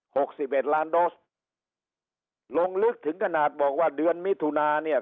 สิบเอ็ดล้านโดสลงลึกถึงขนาดบอกว่าเดือนมิถุนาเนี่ย